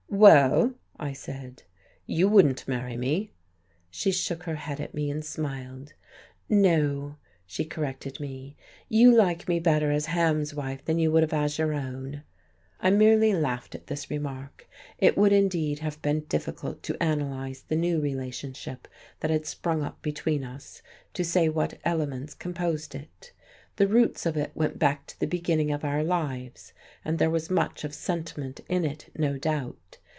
"Well," I said, "you wouldn't marry me." She shook her head at me, and smiled.... "No," she corrected me, "you like me better as Hams' wife than you would have as your own." I merely laughed at this remark.... It would indeed have been difficult to analyze the new relationship that had sprung up between us, to say what elements composed it. The roots of it went back to the beginning of our lives; and there was much of sentiment in it, no doubt.